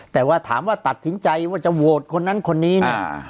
แต่ว่าถามว่าตัดสินใจว่าจะโหวตคนนั้นคนนี้เนี่ย